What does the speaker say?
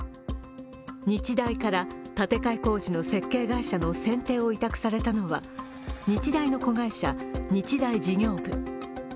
日大から建て替え工事の設計会社の選定を委託されたのは日大の子会社・日大事業部。